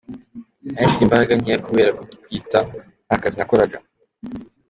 Nari mfite imbaraga nkeya kubera gutwita nta kazi nakoraga.